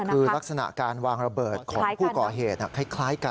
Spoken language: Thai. คือลักษณะการวางระเบิดของผู้ก่อเหตุคล้ายกัน